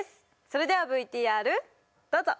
それではＶＴＲどうぞ！